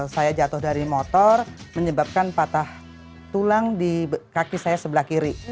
saya jatuh dari motor menyebabkan patah tulang di kaki saya sebelah kiri